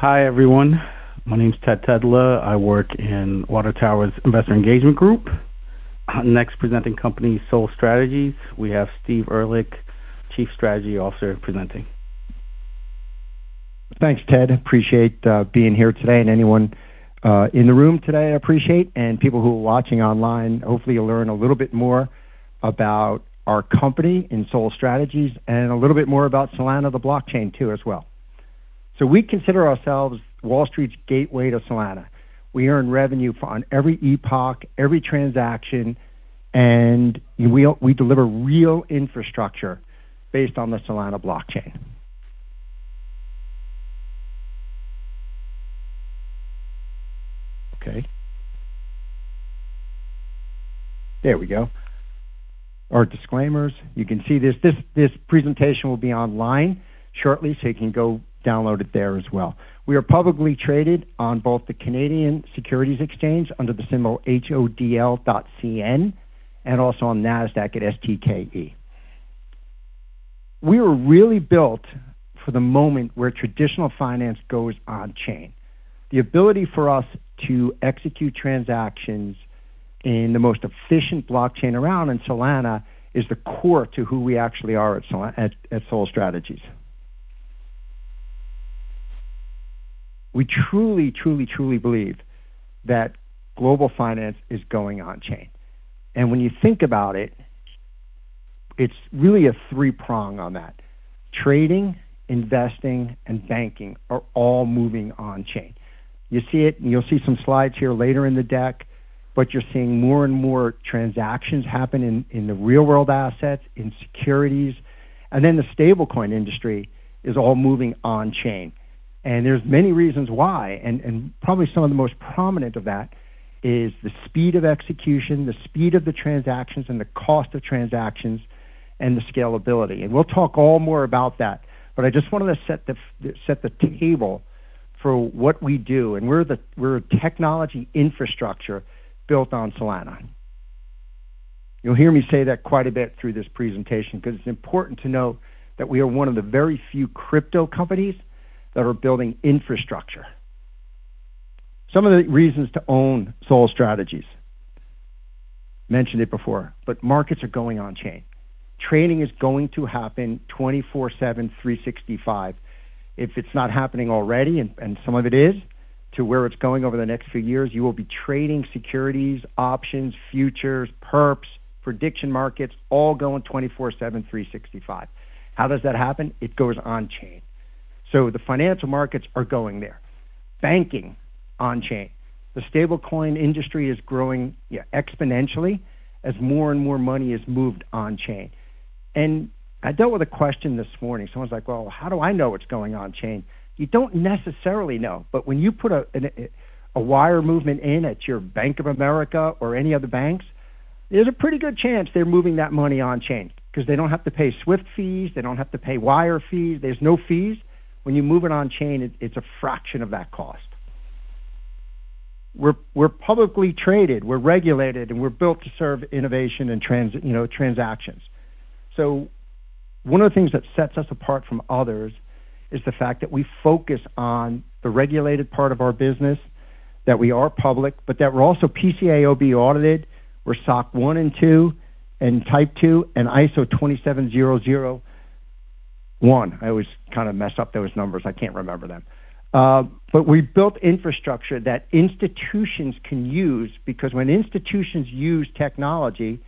Hi, everyone. My name's Ted Tedla. I work in Water Tower Research's Investor Engagement Group. Next presenting company, Sol Strategies. We have Steve Ehrlich, Chief Strategy Officer, presenting. Thanks, Ted. Appreciate being here today and anyone in the room today, I appreciate, and people who are watching online. Hopefully, you'll learn a little bit more about our company and Sol Strategies, and a little bit more about Solana, the blockchain too, as well. We consider ourselves Wall Street's gateway to Solana. We earn revenue on every epoch, every transaction, and we deliver real infrastructure based on the Solana blockchain. Okay. There we go. Our disclaimers. You can see this presentation will be online shortly, you can go download it there as well. We are publicly traded on both the Canadian Securities Exchange under the symbol HODL.CN, and also on Nasdaq at STKE. We were really built for the moment where traditional finance goes on-chain. The ability for us to execute transactions in the most efficient blockchain around, in Solana, is the core to who we actually are at Sol Strategies. We truly, truly believe that global finance is going on-chain. When you think about it's really a three-prong on that. Trading, investing, and banking are all moving on-chain. You see it, you'll see some slides here later in the deck, you're seeing more and more transactions happen in the real-world assets, in securities, the stablecoin industry is all moving on-chain. There's many reasons why, probably some of the most prominent of that is the speed of execution, the speed of the transactions, the cost of transactions, the scalability. We'll talk all more about that, I just wanted to set the table for what we do. We're a technology infrastructure built on Solana. You'll hear me say that quite a bit through this presentation because it's important to know that we are one of the very few crypto companies that are building infrastructure. Some of the reasons to own Sol Strategies. Mentioned it before, markets are going on-chain. Trading is going to happen 24/7, 365. If it's not happening already, some of it is to where it's going over the next few years, you will be trading securities, options, futures, perps, prediction markets, all going 24/7, 365. How does that happen? It goes on-chain. The financial markets are going there. Banking on-chain. The stablecoin industry is growing exponentially as more and more money is moved on-chain. I dealt with a question this morning. Someone's like, "Well, how do I know what's going on-chain?" You don't necessarily know, but when you put a wire movement in at your Bank of America or any other banks, there's a pretty good chance they're moving that money on-chain because they don't have to pay SWIFT fees. They don't have to pay wire fees. There's no fees. When you move it on-chain, it's a fraction of that cost. We're publicly traded, we're regulated, and we're built to serve innovation and transactions. One of the things that sets us apart from others is the fact that we focus on the regulated part of our business, that we are public, but that we're also PCAOB audited. We're SOC 1 and 2, and Type 2, and ISO 27001. I always kind of mess up those numbers. I can't remember them. We built infrastructure that institutions can use because when institutions use technology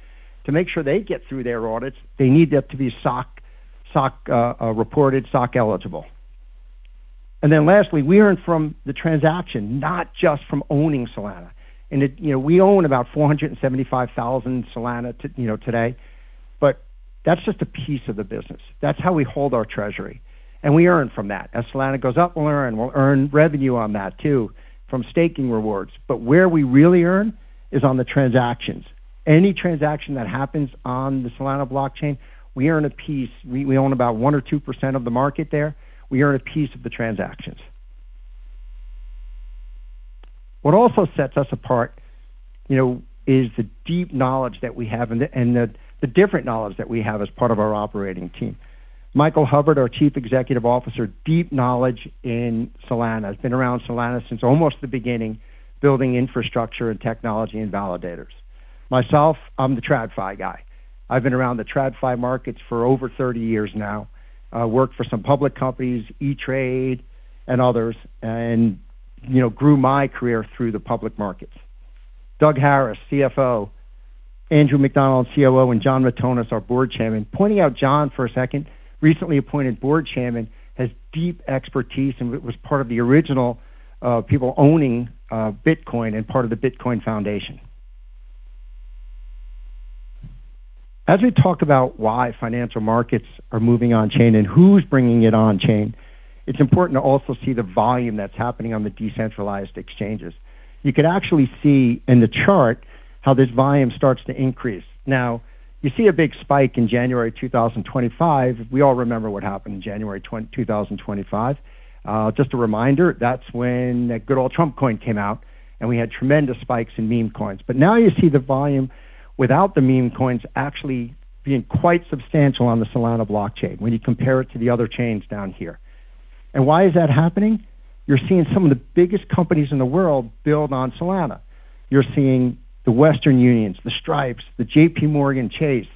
to make sure they get through their audits, they need that to be SOC-reported, SOC-eligible. Lastly, we earn from the transaction, not just from owning Solana. We own about 475,000 Solana today, but that's just a piece of the business. That's how we hold our treasury, and we earn from that. As Solana goes up, we'll earn revenue on that too from staking rewards. Where we really earn is on the transactions. Any transaction that happens on the Solana blockchain, we earn a piece. We own about 1% or 2% of the market there. We earn a piece of the transactions. What also sets us apart is the deep knowledge that we have and the different knowledge that we have as part of our operating team. Michael Hubbard, our Chief Executive Officer, deep knowledge in Solana, has been around Solana since almost the beginning, building infrastructure and technology and validators. Myself, I'm the TradFi guy. I've been around the TradFi markets for over 30 years now. I worked for some public companies, E*TRADE and others, and grew my career through the public markets. Doug Harris, CFO, Andrew Macdonald, COO, and Jon Matonis, our Board Chairman. Pointing out Jon for a second, recently appointed Board Chairman, has deep expertise and was part of the original people owning Bitcoin and part of the Bitcoin Foundation. As we talk about why financial markets are moving on-chain and who's bringing it on-chain, it's important to also see the volume that's happening on the decentralized exchanges. You could actually see in the chart how this volume starts to increase. Now, you see a big spike in January 2025. We all remember what happened in January 2025. Just a reminder, that's when that good old Trump coin came out, and we had tremendous spikes in meme coins. Now you see the volume without the meme coins actually being quite substantial on the Solana blockchain when you compare it to the other chains down here. Why is that happening? You're seeing some of the biggest companies in the world build on Solana. You're seeing the Western Union, the Stripe, the JPMorgan Chase,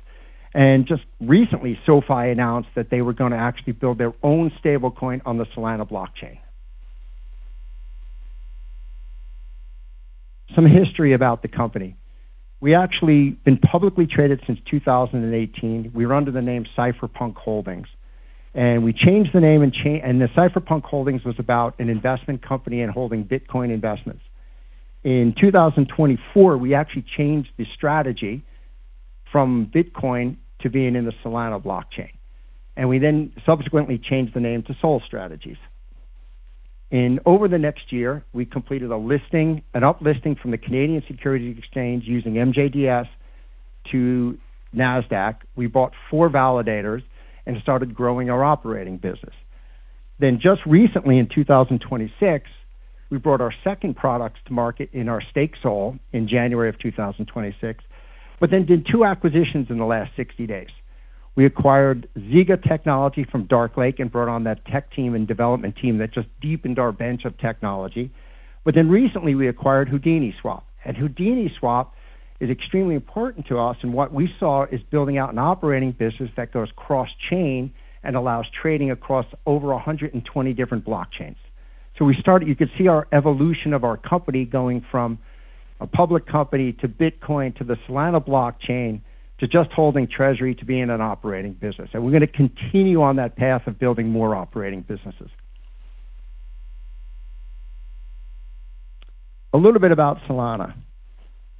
and just recently, SoFi announced that they were going to actually build their own stablecoin on the Solana blockchain. Some history about the company. We actually been publicly traded since 2018. We were under the name Cypherpunk Holdings, and we changed the name. The Cypherpunk Holdings was about an investment company and holding Bitcoin investments. In 2024, we actually changed the strategy from Bitcoin to being in the Solana blockchain, we then subsequently changed the name to Sol Strategies. Over the next year, we completed a listing, an up-listing from the Canadian Securities Exchange using MJDS to Nasdaq. We bought four validators and started growing our operating business. Just recently in 2026, we brought our second products to market in our Stake Sol in January of 2026, did two acquisitions in the last 60 days. We acquired Zyga Technology from Darklake Labs and brought on that tech team and development team that just deepened our bench of technology. Recently, we acquired Houdini Swap. Houdini Swap is extremely important to us, and what we saw is building out an operating business that goes cross-chain and allows trading across over 120 different blockchains. You could see our evolution of our company going from a public company to Bitcoin to the Solana blockchain, to just holding Treasury to being an operating business. We're going to continue on that path of building more operating businesses. A little bit about Solana.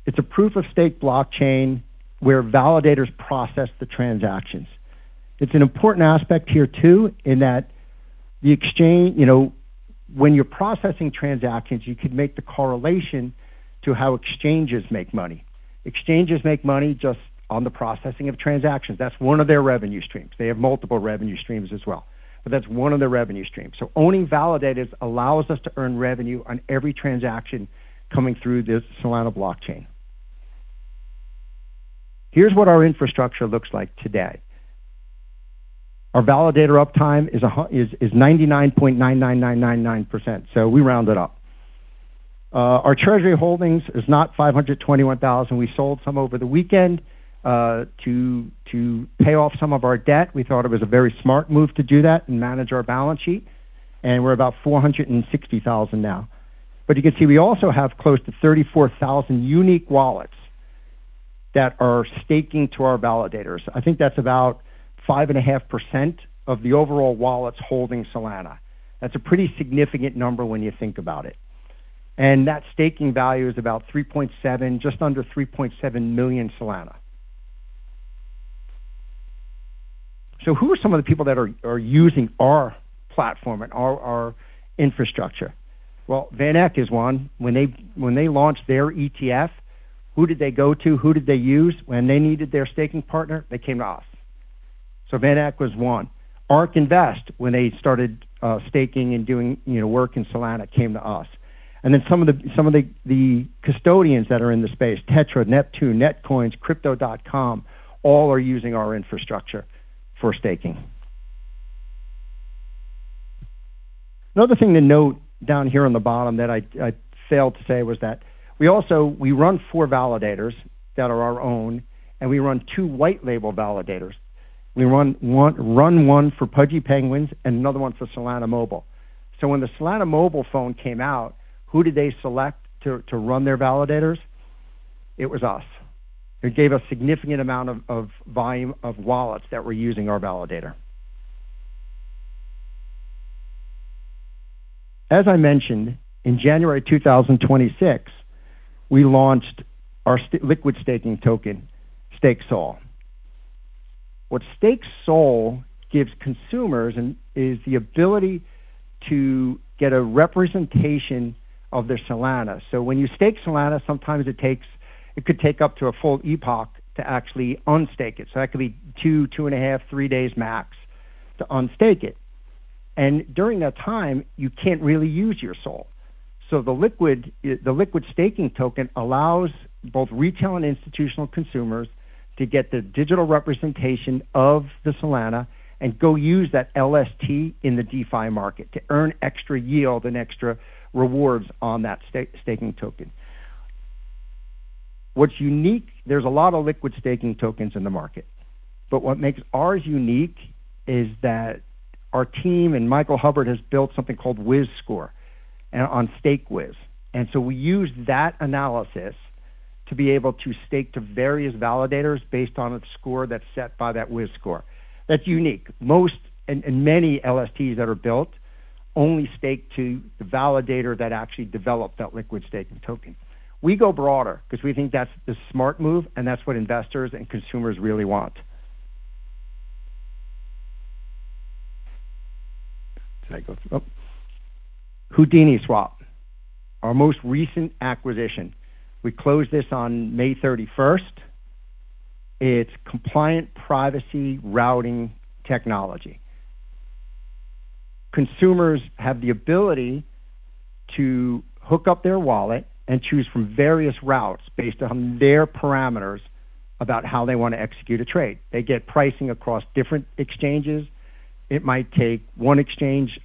It's a proof of stake blockchain where validators process the transactions. It's an important aspect here too, in that the exchange When you're processing transactions, you could make the correlation to how exchanges make money. Exchanges make money just on the processing of transactions. That's one of their revenue streams. They have multiple revenue streams as well, but that's one of their revenue streams. Owning validators allows us to earn revenue on every transaction coming through the Solana blockchain. Here's what our infrastructure looks like today. Our validator uptime is 99.99999%, so we round it up. Our Treasury holdings is not 521,000. We sold some over the weekend, to pay off some of our debt. We thought it was a very smart move to do that and manage our balance sheet, and we're about 460,000 Solana now. You can see we also have close to 34,000 unique wallets that are staking to our validators. I think that's about 5.5% of the overall wallets holding Solana. That's a pretty significant number when you think about it. That staking value is about 3.7, just under 3.7 million Solana. Who are some of the people that are using our platform and our infrastructure? Well, VanEck is one. When they launched their ETF, who did they go to? Who did they use? When they needed their staking partner, they came to us. VanEck was one. ARK Invest, when they started staking and doing work in Solana, came to us. Some of the custodians that are in the space, Tetra, Neptune, Netcoins, Crypto.com, all are using our infrastructure for staking. Another thing to note down here on the bottom that I failed to say was that we also run four validators that are our own, and we run two white label validators. We run one for Pudgy Penguins and another one for Solana Mobile. When the Solana mobile phone came out, who did they select to run their validators? It was us. It gave a significant amount of volume of wallets that were using our validator. As I mentioned, in January 2026, we launched our liquid staking token, Stake Sol. What Stake Sol gives consumers is the ability to get a representation of their Solana. When you stake Solana, sometimes it could take up to a full epoch to actually unstake it. That could be two and a half, three days max to unstake it. During that time, you can't really use your Sol. The liquid staking token allows both retail and institutional consumers to get the digital representation of the Solana and go use that LST in the DeFi market to earn extra yield and extra rewards on that staking token. There's a lot of liquid staking tokens in the market, but what makes ours unique is that our team and Michael Hubbard has built something called Wiz Score on Stakewiz. We use that analysis to be able to stake to various validators based on its score that's set by that Wiz Score. That's unique. Most LSTs that are built only stake to the validator that actually developed that liquid staking token. We go broader because we think that's the smart move and that's what investors and consumers really want. Houdini Swap, our most recent acquisition. We closed this on May 31st. It's compliant privacy routing technology. Consumers have the ability to hook up their wallet and choose from various routes based on their parameters about how they want to execute a trade. They get pricing across different exchanges. It might take one exchange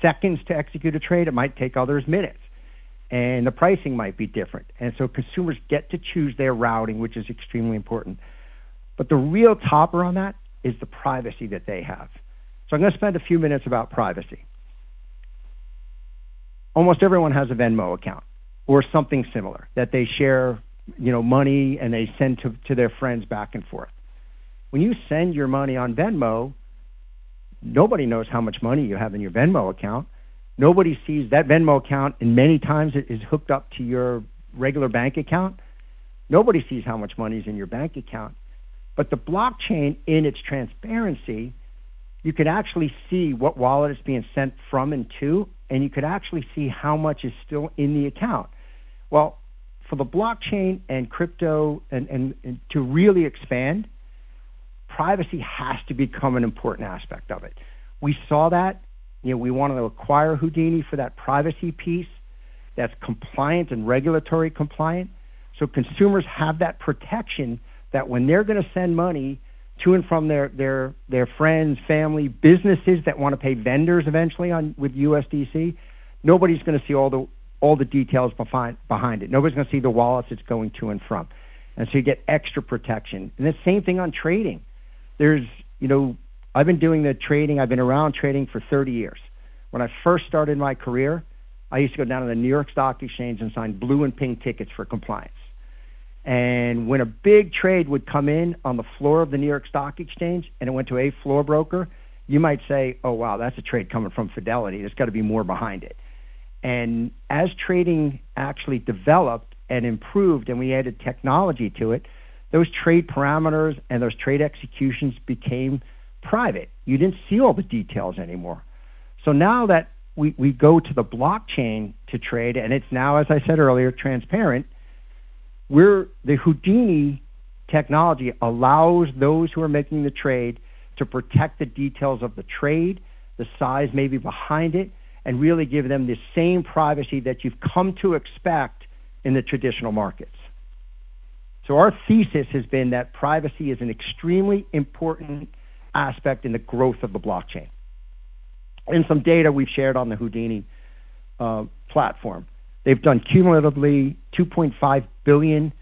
seconds to execute a trade, it might take others minutes. The pricing might be different. Consumers get to choose their routing, which is extremely important. The real topper on that is the privacy that they have. I'm going to spend a few minutes about privacy. Almost everyone has a Venmo account or something similar that they share money and they send to their friends back and forth. When you send your money on Venmo, nobody knows how much money you have in your Venmo account. Nobody sees that Venmo account, and many times it is hooked up to your regular bank account. Nobody sees how much money is in your bank account. The blockchain, in its transparency, you could actually see what wallet it's being sent from and to, and you could actually see how much is still in the account. For the blockchain and crypto to really expand, privacy has to become an important aspect of it. We saw that. We wanted to acquire Houdini for that privacy piece that's compliant and regulatory compliant. Consumers have that protection that when they're going to send money to and from their friends, family, businesses that want to pay vendors eventually with USDC, nobody's going to see all the details behind it. Nobody's going to see the wallets it's going to and from. You get extra protection. The same thing on trading. I've been doing the trading, I've been around trading for 30 years. When I first started my career, I used to go down to the New York Stock Exchange and sign blue and pink tickets for compliance. When a big trade would come in on the floor of the New York Stock Exchange and it went to a floor broker, you might say, "Oh, wow, that's a trade coming from Fidelity. There's got to be more behind it." As trading actually developed and improved and we added technology to it, those trade parameters and those trade executions became private. You didn't see all the details anymore. Now that we go to the blockchain to trade, and it's now, as I said earlier, transparent, the Houdini technology allows those who are making the trade to protect the details of the trade, the size maybe behind it, and really give them the same privacy that you've come to expect in the traditional markets. Our thesis has been that privacy is an extremely important aspect in the growth of the blockchain. Some data we've shared on the Houdini platform. They've done cumulatively 2.5 billion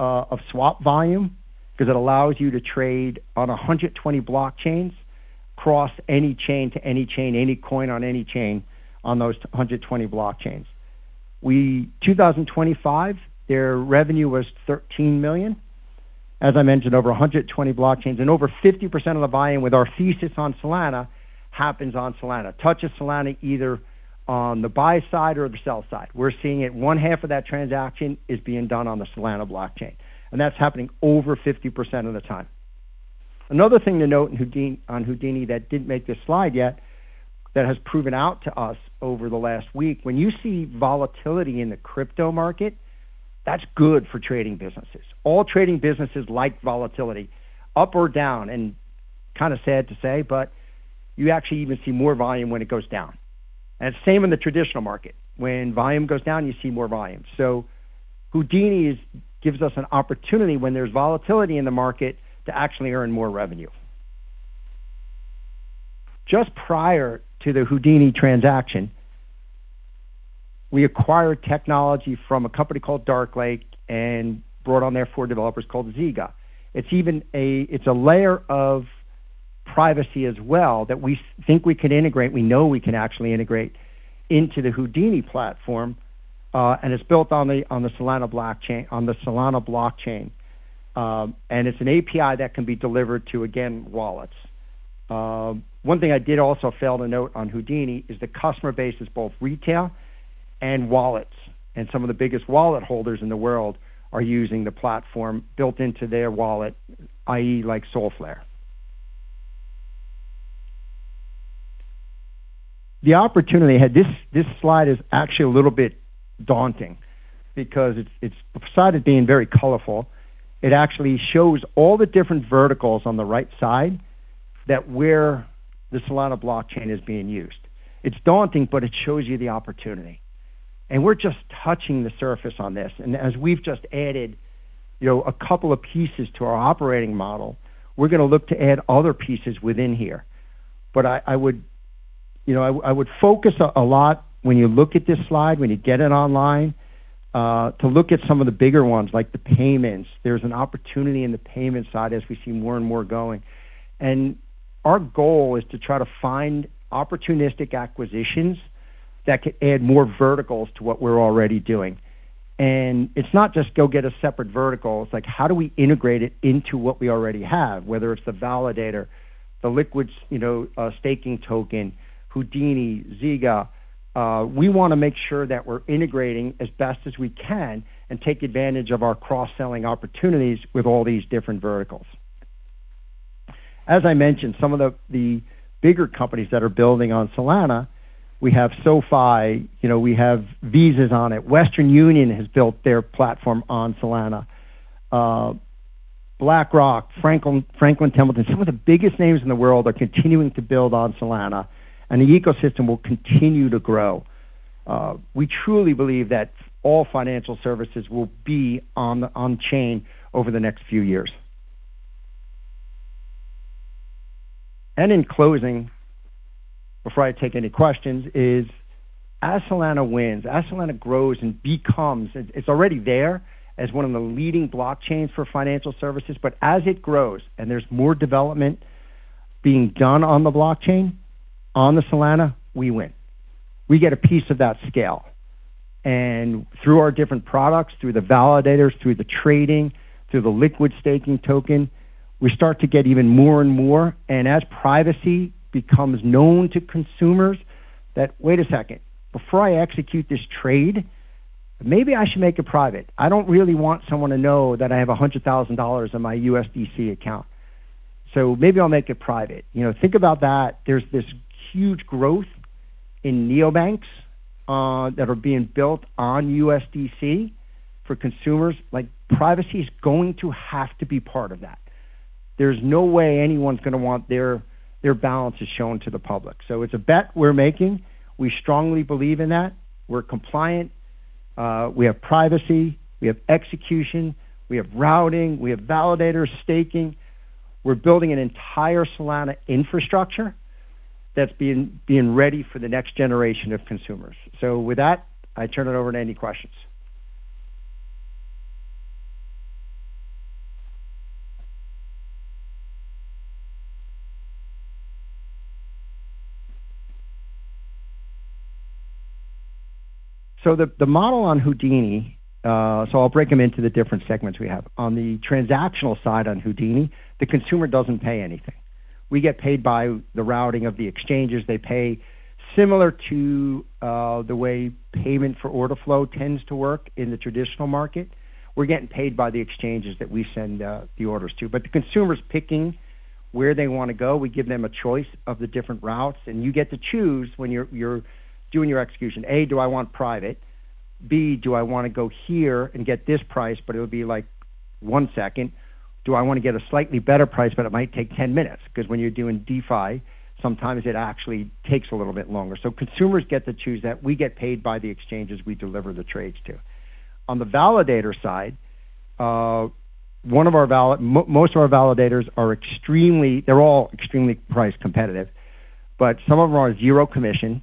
of swap volume because it allows you to trade on 120 blockchains, cross any chain to any chain, any coin on any chain on those 120 blockchains. 2025, their revenue was 13 million. As I mentioned, over 120 blockchains and over 50% of the volume with our thesis on Solana happens on Solana, touches Solana either on the buy side or the sell side. We're seeing it, one half of that transaction is being done on the Solana blockchain, and that's happening over 50% of the time. Another thing to note on Houdini that didn't make this slide yet, that has proven out to us over the last week, when you see volatility in the crypto market, that's good for trading businesses. All trading businesses like volatility up or down, kind of sad to say, but you actually even see more volume when it goes down. Same in the traditional market. When volume goes down, you see more volume. Houdini gives us an opportunity when there's volatility in the market to actually earn more revenue. Just prior to the Houdini transaction, we acquired technology from a company called Darklake and brought on their four developers called Zyga. It's a layer of privacy as well that we think we can integrate, we know we can actually integrate into the Houdini platform, and it's built on the Solana blockchain. It's an API that can be delivered to, again, wallets. One thing I did also fail to note on Houdini is the customer base is both retail and wallets. Some of the biggest wallet holders in the world are using the platform built into their wallet, i.e., like Solflare. The opportunity at hand, this slide is actually a little bit daunting because besides it being very colorful, it actually shows all the different verticals on the right side that where the Solana blockchain is being used. It's daunting, but it shows you the opportunity. We're just touching the surface on this. As we've just added a couple of pieces to our operating model, we're going to look to add other pieces within here. I would focus a lot when you look at this slide, when you get it online, to look at some of the bigger ones, like the payments. There's an opportunity in the payment side as we see more and more going. Our goal is to try to find opportunistic acquisitions that could add more verticals to what we're already doing. It's not just go get a separate vertical. It's like, how do we integrate it into what we already have, whether it's the validator, the liquid staking token, Houdini, Zyga. We want to make sure that we're integrating as best as we can and take advantage of our cross-selling opportunities with all these different verticals. As I mentioned, some of the bigger companies that are building on Solana, we have SoFi, we have Visa's on it. Western Union has built their platform on Solana. BlackRock, Franklin Templeton, some of the biggest names in the world are continuing to build on Solana, and the ecosystem will continue to grow. We truly believe that all financial services will be on chain over the next few years. In closing, before I take any questions, is as Solana wins, as Solana grows and becomes. It's already there as one of the leading blockchains for financial services. As it grows and there's more development being done on the blockchain, on the Solana, we win. We get a piece of that scale. Through our different products, through the validators, through the trading, through the liquid staking token, we start to get even more and more. As privacy becomes known to consumers that, "Wait a second, before I execute this trade, maybe I should make it private. I don't really want someone to know that I have $100,000 in my USDC account, so maybe I'll make it private." Think about that. There's this huge growth in neobanks that are being built on USDC for consumers. Privacy's going to have to be part of that. There's no way anyone's going to want their balances shown to the public. It's a bet we're making. We strongly believe in that. We're compliant. We have privacy. We have execution. We have routing. We have validator staking. We're building an entire Solana infrastructure that's being ready for the next generation of consumers. With that, I turn it over to any questions. The model on Houdini. I'll break them into the different segments we have. On the transactional side on Houdini, the consumer doesn't pay anything. We get paid by the routing of the exchanges they pay, similar to the way payment for order flow tends to work in the traditional market. We're getting paid by the exchanges that we send the orders to. The consumer's picking where they want to go. We give them a choice of the different routes, and you get to choose when you're doing your execution. A, do I want private? B, do I want to go here and get this price, but it'll be like one second? Do I want to get a slightly better price, but it might take 10 minutes? Because when you're doing DeFi, sometimes it actually takes a little bit longer. Consumers get to choose that. We get paid by the exchanges we deliver the trades to. On the validator side, most of our validators are all extremely price competitive, but some of them are zero commission,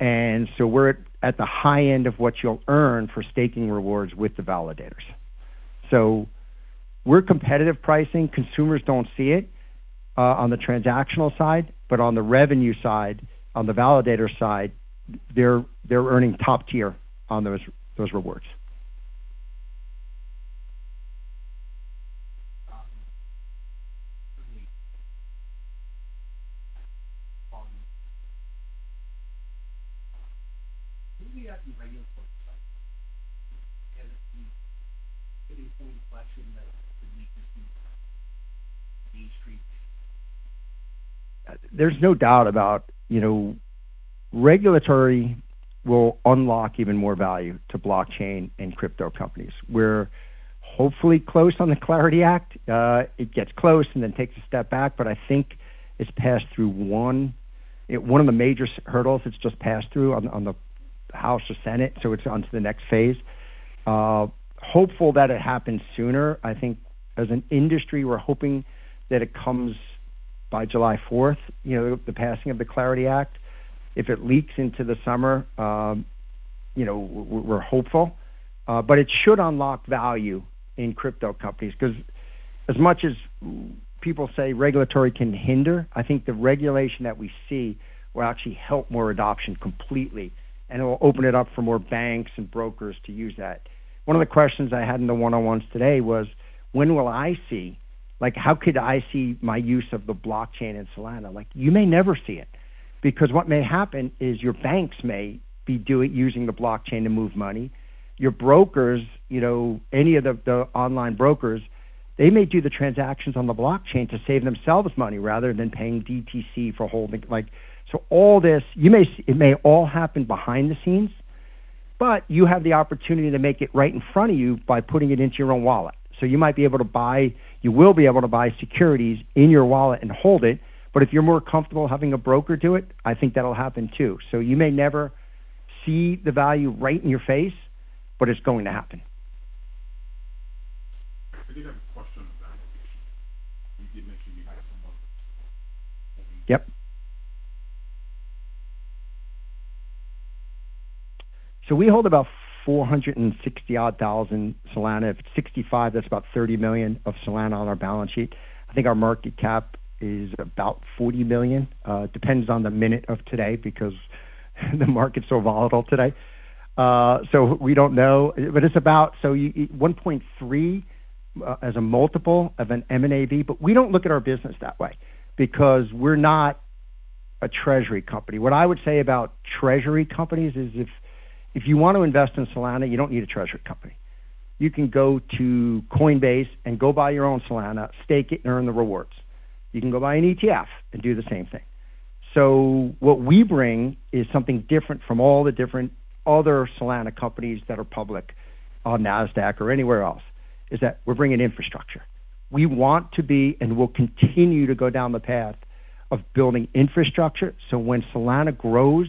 we're at the high end of what you'll earn for staking rewards with the validators. We're competitive pricing. Consumers don't see it on the transactional side, but on the revenue side, on the validator side, they're earning top tier on those rewards. There's no doubt about regulatory will unlock even more value to blockchain and crypto companies. We're hopefully close on the CLARITY Act. It gets close and then takes a step back, but I think it's passed through one of the major hurdles. It's just passed through on the House or Senate, so it's onto the next phase. Hopeful that it happens sooner. I think as an industry, we're hoping that it comes by July 4th, the passing of the CLARITY Act. If it leaks into the summer, we're hopeful. It should unlock value in crypto companies because as much as people say regulatory can hinder, I think the regulation that we see will actually help more adoption completely, and it will open it up for more banks and brokers to use that. One of the questions I had in the one-on-ones today was, "When will I see-- How could I see my use of the blockchain in Solana?" You may never see it, because what may happen is your banks may be using the blockchain to move money. Your brokers, any of the online brokers, they may do the transactions on the blockchain to save themselves money rather than paying DTC for holding. It may all happen behind the scenes, but you have the opportunity to make it right in front of you by putting it into your own wallet. You might be able to buy-- You will be able to buy securities in your wallet and hold it, but if you're more comfortable having a broker do it, I think that'll happen too. You may never see the value right in your face, but it's going to happen. I did have a question about. You did mention you had some- Yep. We hold about 460,000 Solana. If it's 65, that's about 30 million of Solana on our balance sheet. I think our market cap is about 40 million. Depends on the minute of today because the market's so volatile today. We don't know. It's about 1.3 as a multiple of an mNAV. We don't look at our business that way because we're not a treasury company. What I would say about treasury companies is if you want to invest in Solana, you don't need a treasury company. You can go to Coinbase and go buy your own Solana, stake it, and earn the rewards. You can go buy an ETF and do the same thing. What we bring is something different from all the different other Solana companies that are public on Nasdaq or anywhere else, is that we're bringing infrastructure. We want to be, and we'll continue to go down the path of building infrastructure, so when Solana grows,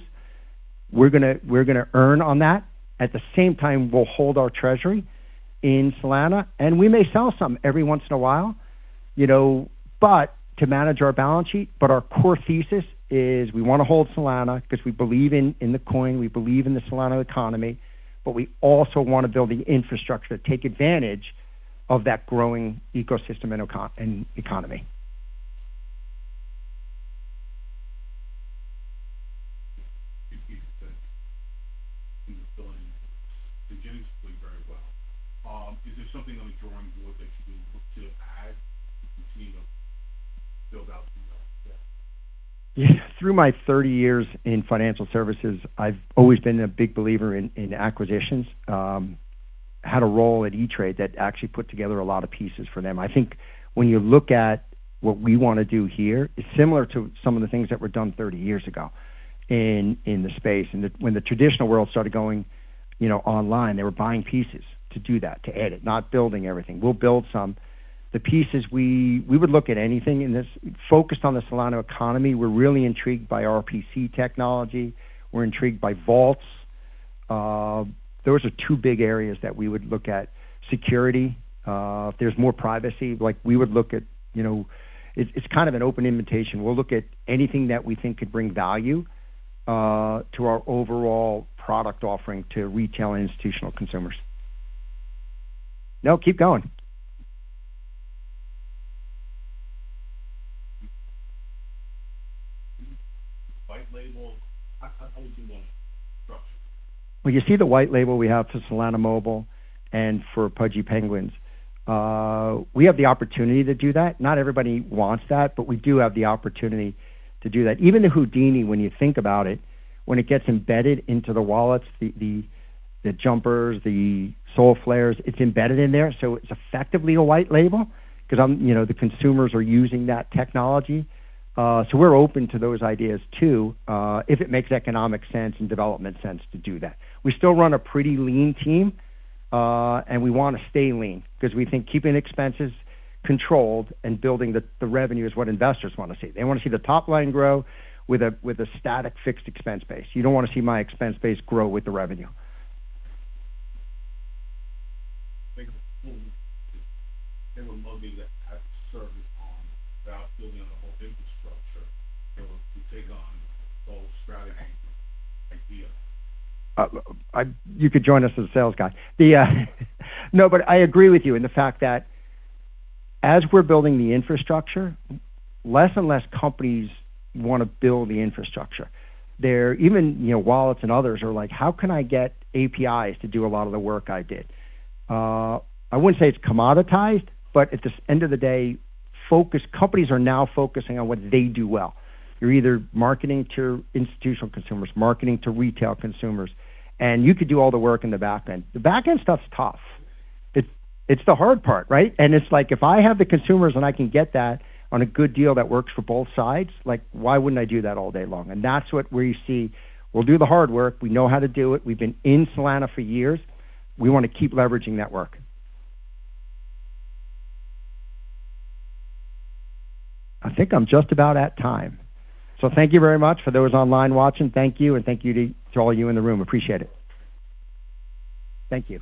we're going to earn on that. At the same time, we'll hold our treasury in Solana, and we may sell some every once in a while to manage our balance sheet. Our core thesis is we want to hold Solana because we believe in the coin, we believe in the Solana economy, but we also want to build the infrastructure to take advantage of that growing ecosystem and economy. It seems that you were filling in strategically very well. Is there something on the drawing board that you can look to add to continue to build out? Yeah. Through my 30 years in financial services, I've always been a big believer in acquisitions. Had a role at E*TRADE that actually put together a lot of pieces for them. I think when you look at what we want to do here, it's similar to some of the things that were done 30 years ago in the space. When the traditional world started going online, they were buying pieces to do that, to edit, not building everything. We'll build some. The pieces, we would look at anything in this focused on the Solana economy. We're really intrigued by RPC technology. We're intrigued by vaults. Those are two big areas that we would look at. Security. If there's more privacy, we would look at. It's kind of an open invitation. We'll look at anything that we think could bring value to our overall product offering to retail and institutional consumers. No, keep going. White label. How would you want to structure it? Well, you see the white label we have for Solana Mobile and for Pudgy Penguins. We have the opportunity to do that. Not everybody wants that, but we do have the opportunity to do that. Even the Houdini, when you think about it, when it gets embedded into the wallets, the Jupiter, the Solflare, it's embedded in there, so it's effectively a white label because the consumers are using that technology. We're open to those ideas, too, if it makes economic sense and development sense to do that. We still run a pretty lean team, and we want to stay lean because we think keeping expenses controlled and building the revenue is what investors want to see. They want to see the top line grow with a static fixed expense base. You don't want to see my expense base grow with the revenue. Think of it from the perspective of a company that has a service without building the whole infrastructure in order to take on Sol Strategies' idea. You could join us as a sales guy. I agree with you in the fact that as we're building the infrastructure, less and less companies want to build the infrastructure. Even wallets and others are like, "How can I get APIs to do a lot of the work I did?" I wouldn't say it's commoditized, but at the end of the day, companies are now focusing on what they do well. You're either marketing to institutional consumers, marketing to retail consumers, and you could do all the work in the back end. The back end stuff's tough. It's the hard part, right? It's like, if I have the consumers and I can get that on a good deal that works for both sides, why wouldn't I do that all day long? That's where you see we'll do the hard work. We know how to do it. We've been in Solana for years. We want to keep leveraging that work. I think I'm just about at time. Thank you very much. For those online watching, thank you, and thank you to all you in the room. Appreciate it. Thank you.